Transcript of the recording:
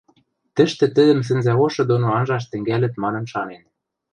тӹштӹ тӹдӹм сӹнзӓошы доно анжаш тӹнгӓлӹт манын шанен.